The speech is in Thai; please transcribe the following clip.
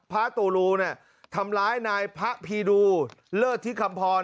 พระตูรูเนี่ยทำร้ายนายพระพีดูเลิศที่คำพร